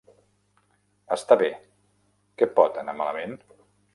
Està bé. Què pot anar malament?